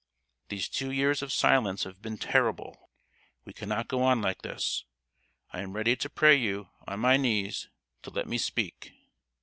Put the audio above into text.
These two years of silence have been terrible. We cannot go on like this. I am ready to pray you, on my knees, to let me speak.